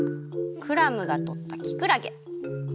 クラムがとったきくらげ！